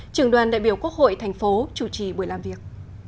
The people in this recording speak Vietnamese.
trường đoàn đại biểu quốc hội thành phố chủ trì buổi làm việc